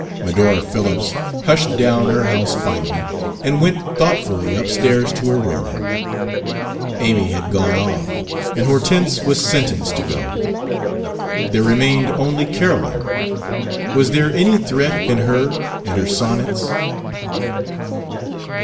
Medora Phillips hushed down her house finally and went thoughtfully up stairs to her room. Amy had gone off, and Hortense was sentenced to go. There remained only Carolyn. Was there any threat in her and her sonnets?